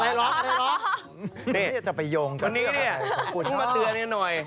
วันนี้เนี่ยต้องมาเตือนเนี่ยหน่อย